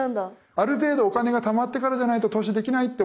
ある程度お金がたまってからじゃないと投資できないって思ってる人